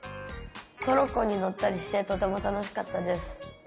トロッコに乗ったりしてとても楽しかったです。